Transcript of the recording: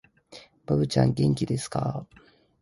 ばぶちゃん、お元気ですかー